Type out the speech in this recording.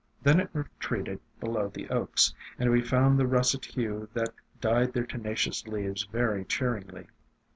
Then it retreated below the Oaks, and we found the russet hue that dyed their tenacious leaves very cheeringly.